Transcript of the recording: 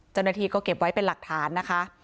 เจ้าหน้าที่ก็เก็บไว้เป็นหลักฐานนะคะ